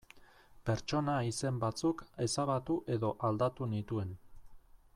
Pertsona izen batzuk ezabatu edo aldatu nituen.